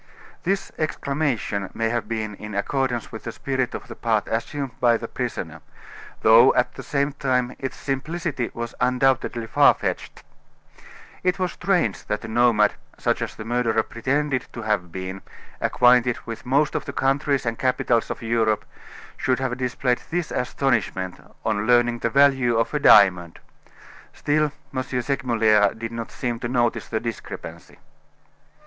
This exclamation may have been in accordance with the spirit of the part assumed by the prisoner; though, at the same time, its simplicity was undoubtedly far fetched. It was strange that a nomad, such as the murderer pretended to have been, acquainted with most of the countries and capitals of Europe, should have displayed this astonishment on learning the value of a diamond. Still, M. Segmuller did not seem to notice the discrepancy.